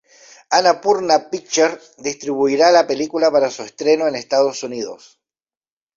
Annapurna Pictures distribuirá la película para su estreno en Estados Unidos.